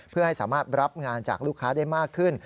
เพื่อให้สามารถรับงานจากลูกค้าได้มากขึ้น